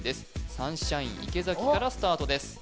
サンシャイン池崎からスタートです